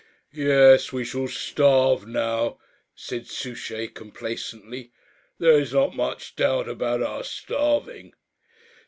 "Yes, we shall starve now," said Souchey, complacently. "There is not much doubt about our starving."